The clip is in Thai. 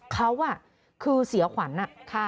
เขาคือเสียขวัญ